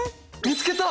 見つけた？